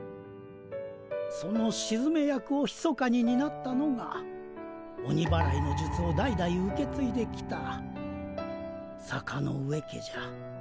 そのしずめ役をひそかにになったのが鬼祓いのじゅつを代々受けついできた坂ノ上家じゃ。